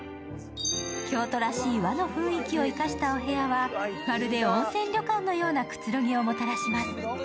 京都らしい和の雰囲気を生かしたお部屋はまるで温泉旅館のようなくつろぎをもたらします。